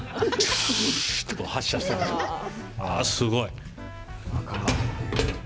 あすごい。